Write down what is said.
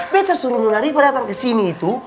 beta suruh nona riva datang ke sini itu